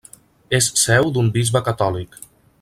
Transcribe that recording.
És seu d'un bisbe catòlic.